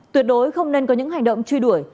tuyệt đối không nên có những hành động truy đuổi